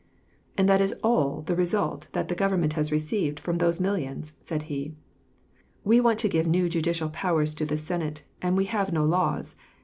''And that is all the re sult that the government has received from those millions," said he. " We want to give new judicial powers to the Senate, and we have no laws.